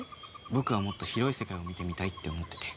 僕はもっと広い世界を見てみたいって思ってて。